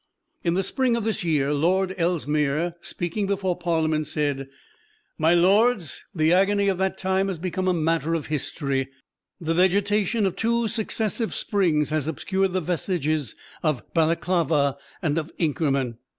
In the spring of this year, Lord Ellesmere, speaking before Parliament, said: "My Lords, the agony of that time has become a matter of history. The vegetation of two successive springs has obscured the vestiges of Balaklava and of Inkerman.